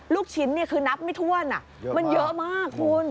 ลูกชิ้นคือนับไม่ถ้วนมันเยอะมากคุณ